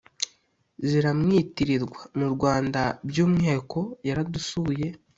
ziramwitirirwa. mu rwanda by’umwihariko yaradusuye